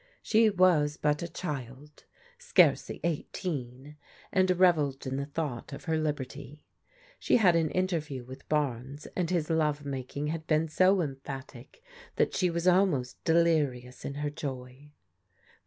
She was but a child, scarcely dghteen, and revelled in the thought of her liberty. She had an interview with Barnes, and his love making had been so emphatic that she was almost delirious in her joy.